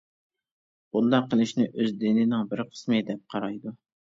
بۇنداق قىلىشنى ئۆز دىنىنىڭ بىر قىسمى، دەپ قارايدۇ.